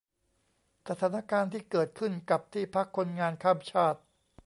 สถานการณ์ที่เกิดขึ้นกับที่พักคนงานข้ามชาติ